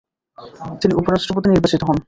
তিনি উপ-রাষ্ট্রপতি নির্বাচিত হন।